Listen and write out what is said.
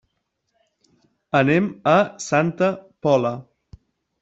Anem a Santa Pola.